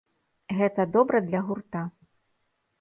Гэта добра для гурта.